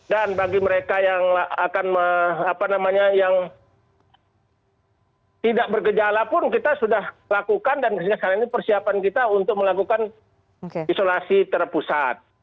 dan bagi mereka yang tidak bergejala pun kita sudah lakukan dan sekarang ini persiapan kita untuk melakukan isolasi terpusat